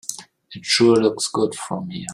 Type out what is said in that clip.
It sure looks good from here.